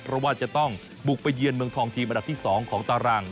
เพราะว่าจะต้องบุกไปเยือนเมืองทองทีมอันดับที่๒ของตาราง